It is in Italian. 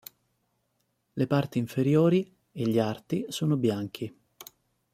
Le parti inferiori e gli arti sono bianchi.